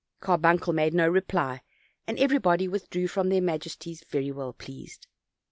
Carbuncle made no reply, and everybody withdrew from their majesties very well pleased.